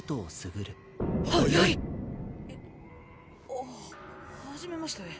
あっはじめまして。